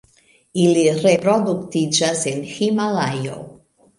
Ili reproduktiĝas en Himalajo.